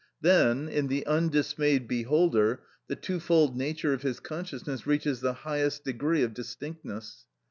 Then, in the undismayed beholder, the two fold nature of his consciousness reaches the highest degree of distinctness.